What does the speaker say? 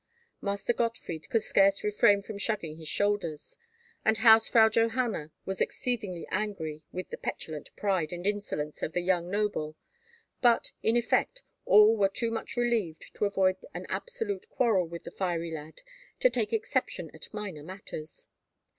Master Gottfried could scarce refrain from shrugging his shoulders, and Hausfrau Johanna was exceedingly angry with the petulant pride and insolence of the young noble; but, in effect, all were too much relieved to avoid an absolute quarrel with the fiery lad to take exception at minor matters.